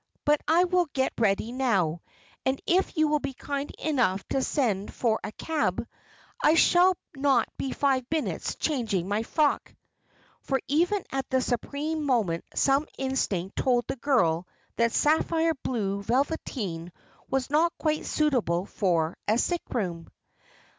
But I will get ready now. And if you will be kind enough to send for a cab, I shall not be five minutes changing my frock" for even at the supreme moment some instinct told the girl that sapphire blue velveteen was not quite suitable for a sick room.